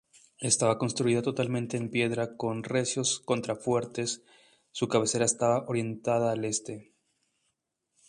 Estaba construida totalmente en piedra con recios contrafuertes; su cabecera estaba orientada al este.